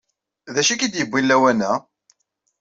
D acu ay k-id-yewwin lawan-a?